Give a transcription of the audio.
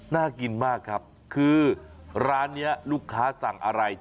น่ากินมากครับคือร้านนี้ลูกค้าสั่งอะไร